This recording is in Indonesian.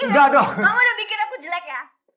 kamu udah pikir aku jelek ya